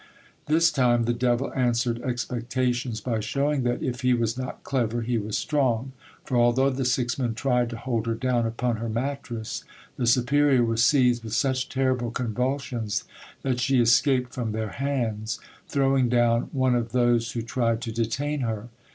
This time the devil answered expectations by showing that if he was not clever he was strong, for although the six men tried to hold her down upon her mattress, the superior was seized with such terrible convulsions that she escaped from their hands, throwing down one of those who tried to detain her.